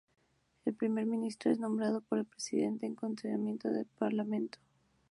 El primer ministro es nombrado por el presidente, con consentimiento del parlamento.